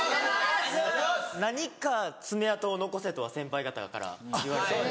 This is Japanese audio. ・何か爪痕を残せとは先輩方から言われて。